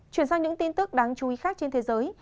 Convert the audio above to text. chuyển sang những tin tức đáng chú ý khác trên thế giới